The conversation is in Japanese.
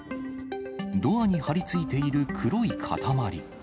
ドアに張りついている黒い塊。